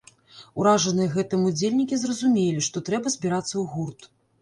Уражаныя гэтым удзельнікі зразумелі, што трэба збірацца ў гурт.